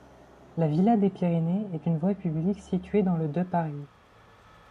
La villa des Pyrénées est une voie publique située dans le de Paris.